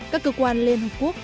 các cơ quan liên hợp quốc